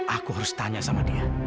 aku harus tanya sama dia